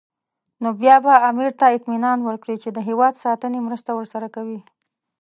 نو بیا به امیر ته اطمینان ورکړي چې د هېواد ساتنې مرسته ورسره کوي.